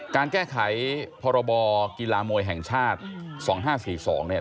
การแก้ไขพรบกีฬามวยแห่งชาติ๒๕๔๒เนี่ย